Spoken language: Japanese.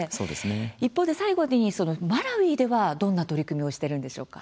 一方で最後に、マラウイではどんな取り組みをしているんでしょうか？